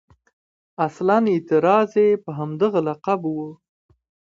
اصلاً اعتراض یې په همدغه لقب و.